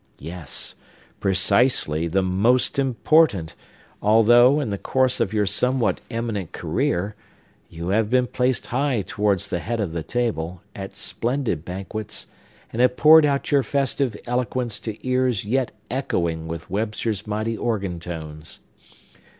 Yes, precisely the most important; although, in the course of your somewhat eminent career, you have been placed high towards the head of the table, at splendid banquets, and have poured out your festive eloquence to ears yet echoing with Webster's mighty organ tones.